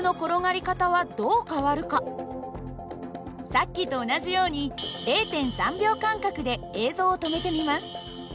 さっきと同じように０．３秒間隔で映像を止めてみます。